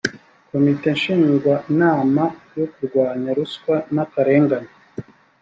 komite ngishwanama yo kurwanya ruswa n akarengane